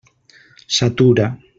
S'atura.